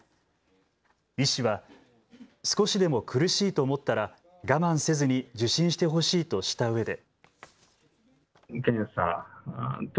医師は少しでも苦しいと思ったら我慢せずに受診してほしいとしたうえで。